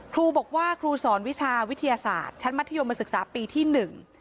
ครูบอกว่าครูสอนวิชาวิทยาศาสตร์ชั้นมัธยมศึกษาปีที่หนึ่ง